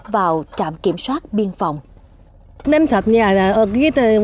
vào trạm kiểm soát biên phòng